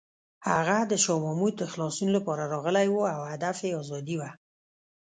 هغه د شاه محمود د خلاصون لپاره راغلی و او هدف یې ازادي وه.